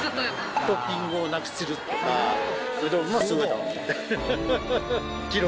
トッピングをなくするとか、うどんも素うどん。